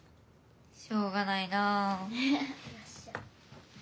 しょうがないな。